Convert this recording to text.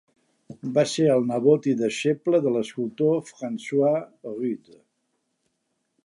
Va ser el nebot i deixeble de l'escultor François Rude.